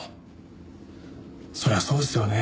そりゃそうですよね。